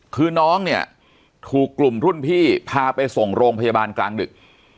คือน้องเนี่ยถูกกลุ่มรุ่นพี่พาไปส่งโรงพยาบาลกลางดึก